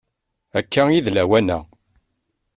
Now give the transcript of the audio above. Akka i d lawan-a.